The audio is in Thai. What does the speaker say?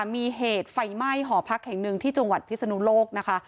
มีเหตุไฟไหม้หอพักแห่งหนึ่งที่จังหวัดพิศนุโลกนะคะ